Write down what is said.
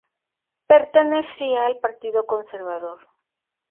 Pertenecía al Partido Conservador.